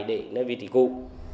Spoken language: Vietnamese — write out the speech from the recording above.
để nó bị tỉ cua